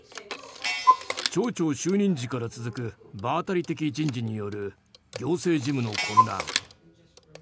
町長就任時から続く場当たり的人事による行政事務の混乱。